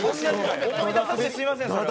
思い出させてすみませんそれは。